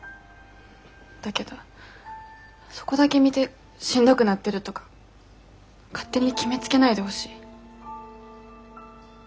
だけどそこだけ見てしんどくなってるとか勝手に決めつけないでほしい。